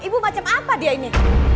ibu macam apa dia ini